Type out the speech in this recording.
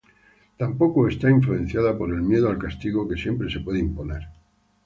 Tampoco está influenciada por el miedo al castigo que siempre se puede imponer.